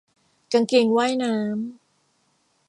กางเกงว่ายน้ำ